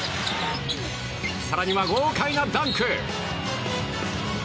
更には豪快なダンク！